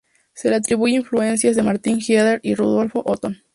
Se le atribuyen influencias de Martin Heidegger y de Rudolf Otto.